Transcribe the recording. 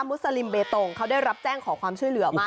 มุสลิมเบตงเขาได้รับแจ้งขอความช่วยเหลือมา